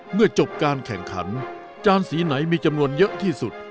เมื่อจบการแข่งขันจานสีไหนมีจำนวนเยอะที่สุด